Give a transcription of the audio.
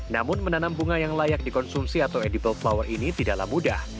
namun menanam bunga yang layak dikonsumsi atau edible flower ini tidaklah mudah